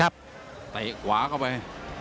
ได้กว่ากลับเข้าไป